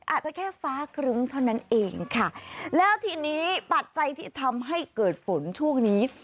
อาจจะแค่ฟ้าครึ้มเท่านั้นเองค่ะแล้วทีนี้ปัจจัยที่ทำให้เกิดฝนช่วงนี้